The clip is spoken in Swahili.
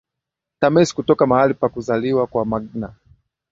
Thames kutoka mahali pa kuzaliwa kwa Magna